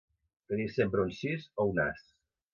Tenir sempre un sis o un as.